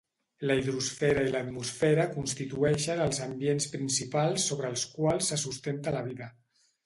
La hidrosfera i l'atmosfera constitueixen els ambients principals sobre els quals se sustenta la vida.